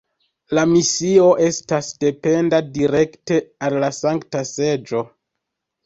La misio estas dependa direkte al la Sankta Seĝo.